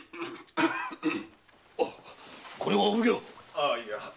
ああいや。